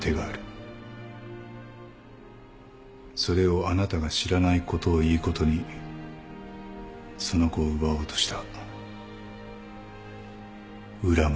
それをあなたが知らないことをいいことにその子を奪おうとした浦真は許されない。